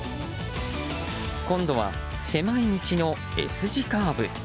今度は、狭い道のＳ字カーブ。